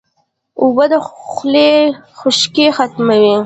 اوبه د خولې خشکي ختموي